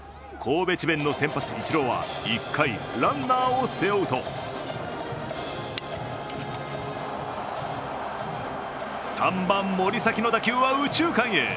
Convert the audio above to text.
ＫＯＢＥＣＨＩＢＥＮの先発・イチローは１回、ランナーを背負うと３番・森崎の打球は右中間へ。